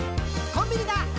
「コンビニだ！